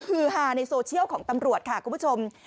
คือฮาในโซเชียลของตำรวจค่ะคุณผู้ชม